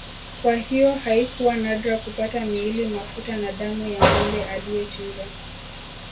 Kwa hiyo haikuwa nadra kupaka miili mafuta na damu ya Ngombe aliyechinjwa